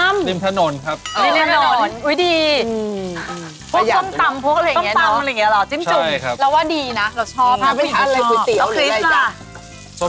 ส้มตำอะไรอย่างนั้นล่ะครับ